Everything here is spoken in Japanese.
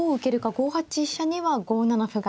５八飛車には５七歩が。